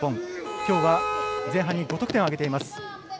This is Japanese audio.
きょうは、前半に５得点を挙げています。